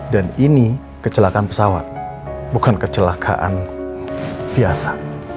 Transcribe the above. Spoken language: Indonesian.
dan ini kecelakaan pesawat bukan kecelakaan biasa